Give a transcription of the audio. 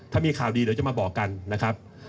ถ้ามีข่าวดีเดี๋ยวจะมาบอกกันนะครับ